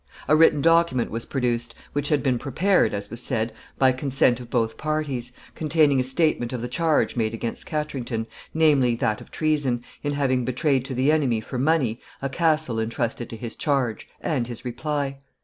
A written document was produced, which had been prepared, as was said, by consent of both parties, containing a statement of the charge made against Katrington, namely, that of treason, in having betrayed to the enemy for money a castle intrusted to his charge, and his reply.